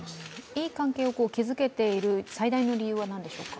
いい関係を築けている最大の理由は何でしょうか？